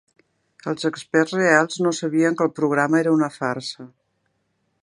Els experts reals no sabien que el programa era una farsa.